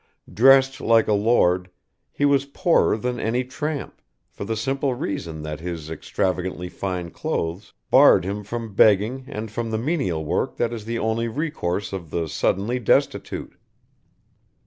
Dressed like a lord, he was poorer than any tramp, for the simple reason that his extravagantly fine clothes barred him from begging and from the menial work that is the only recourse of the suddenly destitute.